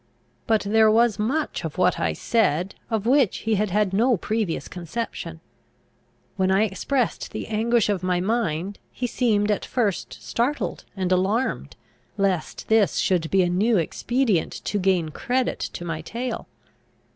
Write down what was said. But there was much of what I said, of which he had had no previous conception. When I expressed the anguish of my mind, he seemed at first startled and alarmed, lest this should be a new expedient to gain credit to my tale.